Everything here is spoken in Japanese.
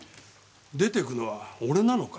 出てくのは俺なのか？